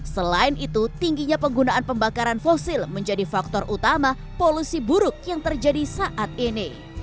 selain itu tingginya penggunaan pembakaran fosil menjadi faktor utama polusi buruk yang terjadi saat ini